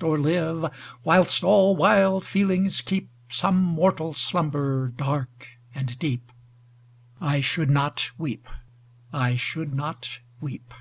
Or live, whilst all wild feelings keep Some mortal slumber, dark and deep, I should not weep, I should not weep